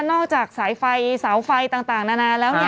นอกจากสายไฟสาวไฟต่างนานแล้วเนี่ย